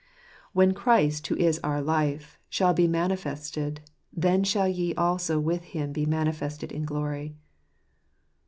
" When Christ, who is our life, shall be manifested, then shall ye also with Him be manifested in glory."